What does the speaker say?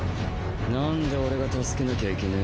なんで俺が助けなきゃいけねえ？